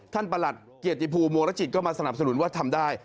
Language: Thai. ประหลัดเกียรติภูมิวงรจิตก็มาสนับสนุนว่าทำได้